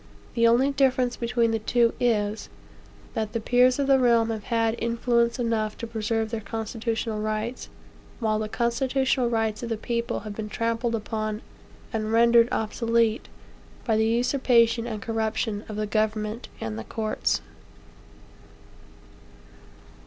The only difference between the two is, that the peers of the realm have had influence enough to preserve their constitutional rights; while the constitutional rights of the people have been trampled upon and rendered obsolete by the usurpation and corruption of the government and the courts.